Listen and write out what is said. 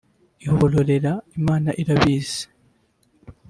Ihororere Imana irabizi